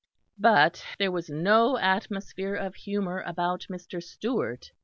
But there was no atmosphere of humour about Mr. Stewart.